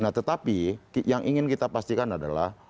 nah tetapi yang ingin kita pastikan adalah